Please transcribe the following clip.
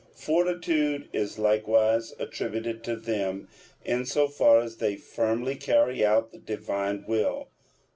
Fortitude is likewise attributed to them, in so far as they firmly carry out the Divine will.